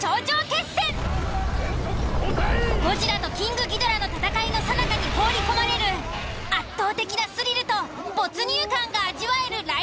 ゴジラとキングギドラの戦いのさなかに放り込まれる圧倒的なスリルと没入感が味わえるライドアトラクション。